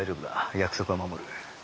約束は守る。